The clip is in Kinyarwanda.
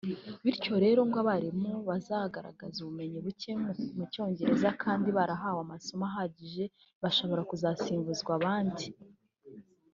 bityo rero ngo abarimu bazagaragaza ubumenyi bucye mu cyongereza kandi barahawe amasomo ahagije bashobora kuzasimbuzwa abandi